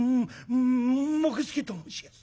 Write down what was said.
「も杢助と申しやす」。